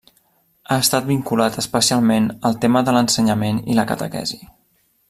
Ha estat vinculat especialment al tema de l'ensenyament i la catequesi.